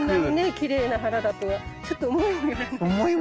きれいな花だとはちょっと思いもよらないでしょ。